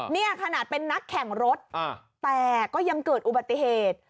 นี่ขนาดเป็นนักแข่งรถแต่ก็ยังเกิดอุบัติเหตุ